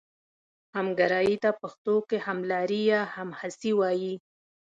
همګرایي ته پښتو کې هملاري یا همهڅي وايي.